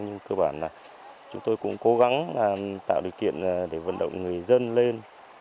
nhưng cơ bản là chúng tôi cũng cố gắng tạo điều kiện để vận động người dân lên